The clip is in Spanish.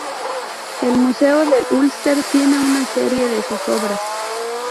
El Museo del Ulster tiene una serie de sus obras.